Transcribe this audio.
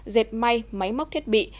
dệt may máy móc thiết bị